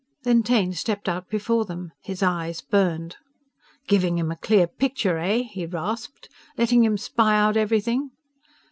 Then Taine stepped out before them. His eyes burned. "Giving him a clear picture, eh?" he rasped. "Letting him spy out everything?"